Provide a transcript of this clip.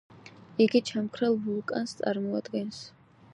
იგი ჩამქრალ ვულკანს წარმოადგენს.